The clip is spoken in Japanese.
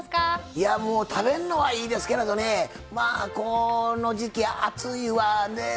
いやもう食べんのはいいですけれどねまあこの時期暑いわねえ